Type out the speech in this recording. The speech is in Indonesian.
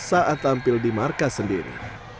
saat tampil di markas sendiri